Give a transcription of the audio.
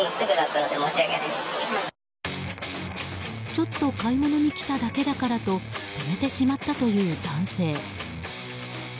ちょっと買い物に来ただけだからと止めてしまったという男性。